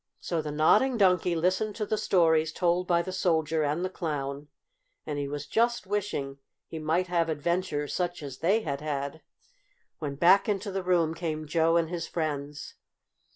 So the Nodding Donkey listened to the stories told by the Soldier and the Clown, and he was just wishing he might have adventures such as they had had, when back into the room came Joe and his friends.